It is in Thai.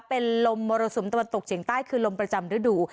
เป็นลมมรสุมตะวันตกเฉียงใต้คือลมประจำฤดู